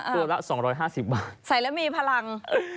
ตัวละ๒๕๐บาท